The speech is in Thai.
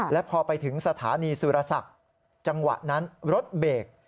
และพอไปถึงสถานีสุรศักดิ์จังหวะนั้นรถเบรก